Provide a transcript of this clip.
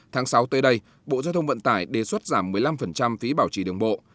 tháng sáu tới đây bộ giao thông vận tải đề xuất giảm một mươi năm phí bảo trì đường bộ